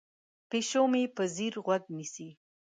پیشو مې په ځیر غوږ نیسي.